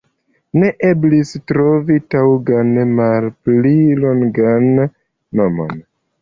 Ne eblis trovi taŭgan malpli longan nomon.